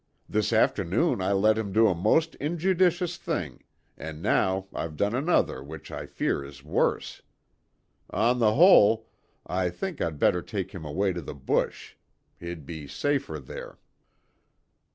"This afternoon I let him do a most injudicious thing, and now I've done another which I fear is worse. On the whole, I think I'd better take him away to the bush. He'd be safer there."